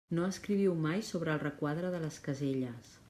No escriviu mai sobre el requadre de les caselles.